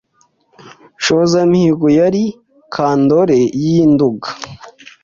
Nshozamihigo Yariye kandore y’ i Nduga